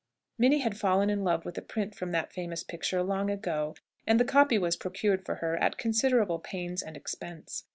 Minnie had fallen in love with a print from that famous picture long ago, and the copy was procured for her at considerable pains and expense.